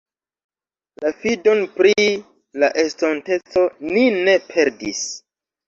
La fidon pri la estonteco ni ne perdis.